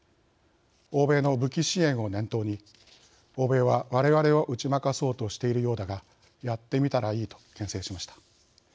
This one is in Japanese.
欧米の武器支援を念頭に欧米は、われわれを打ち負かそうとしているようだがやってみたらいいと、けん制しました。